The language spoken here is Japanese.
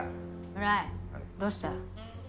村井どうした？